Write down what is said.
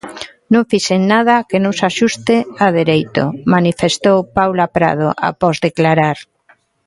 Non fixen nada que non se axuste a dereito, manifestou Paula Prado após declarar.